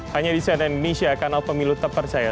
hanya di cnn indonesia kanal pemilu terpercaya